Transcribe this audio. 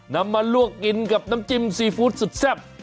นำมาลวกกินกับน้ำจิ้มซีฟู้ดสุดแซ่บ